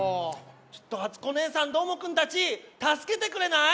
ちょっとあつこおねえさんどーもくんたちたすけてくれない？